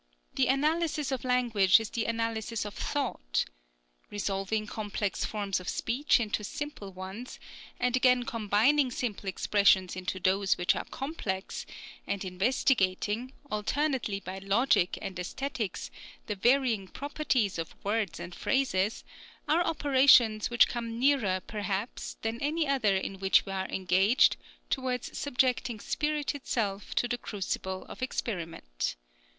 The analysis of language is the analysis of thought. Resolving complex forms of speech into simple ones, and again combining simple expressions into those which are complex, and investigating, alternately by logic and aesthetics, the varying properties of words and phrases, are operations which come nearer, perhaps, than any other in which we are engaged, towards subjecting spirit itself to the crucible of experiment.